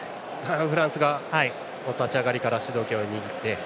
フランスが立ち上がりから主導権を握って。